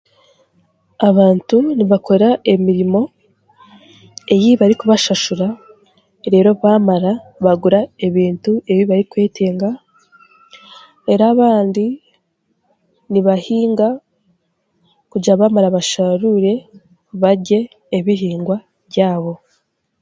Abantu nibakora emirimo ei barikubashashura reero baamara bagura ebintu ebi barikwetenga reeru abandi nibahinga kugira baamara basharuure barye ebihingwa byabo